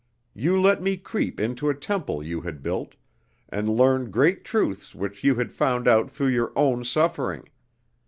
You let me creep into a temple you had built, and learn great truths which you had found out through your own suffering.